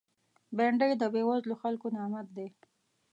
بېنډۍ د بېوزلو خلکو نعمت دی